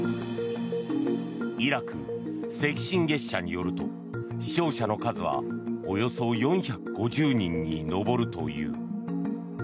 イラク赤新月社によると死傷者の数はおよそ４５０人に上るという。